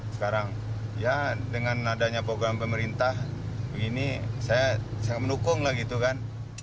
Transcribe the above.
sekarang ya dengan adanya program pemerintah begini saya sangat mendukung lah gitu kan